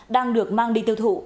đang được mang đi tiêu thụ